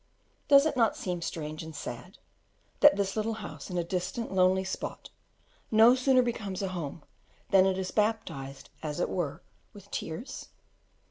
Does it not seem strange and sad, that this little house in a distant, lonely spot, no sooner becomes a home than it is baptized, as it were, with tears?